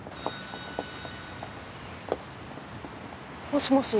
もしもし。